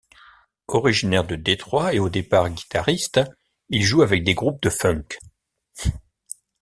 Originaire de Détroit et au départ guitariste, il joue avec des groupes de funk.